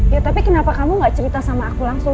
ya tapi kenapa kamu gak cerita sama aku langsung